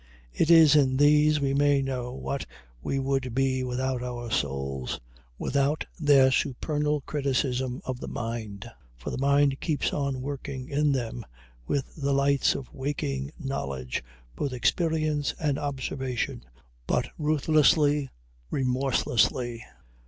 It is in these we may know what we would be without our souls, without their supernal criticism of the mind; for the mind keeps on working in them, with the lights of waking knowledge, both experience and observation, but ruthlessly, remorselessly.